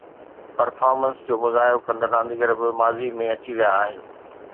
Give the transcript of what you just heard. Performance جو مظاهرو ڪندڙ رانديگر به ماضي ۾ اچي ويا آهن.